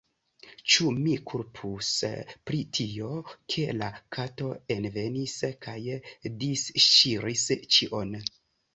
Ĉu mi kulpus pri tio, ke la kato envenis kaj disŝiris ĉion?